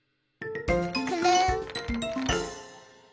くるん。